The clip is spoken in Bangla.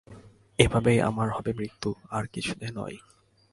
এভাবেই আমার হবে মৃত্যু, আর কিছুতে নয়।